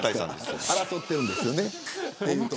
争っているんですよね。